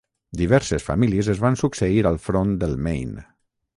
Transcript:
Diverses famílies es van succeir al front del Maine.